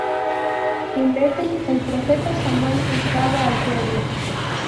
En Betel el profeta Samuel juzgaba al pueblo.